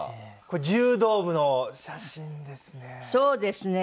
これ柔道部の写真ですね。